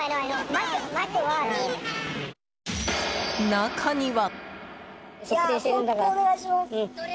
中には。